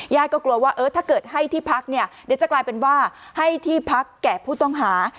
ก็กลัวว่าถ้าเกิดให้ที่พักเนี่ยเดี๋ยวจะกลายเป็นว่าให้ที่พักแก่ผู้ต้องหา